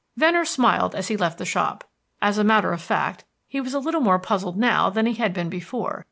Venner smiled as he left the shop. As a matter of fact, he was a little more puzzled now than he had been before.